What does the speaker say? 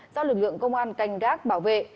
do lực lượng công an canh gác bảo vệ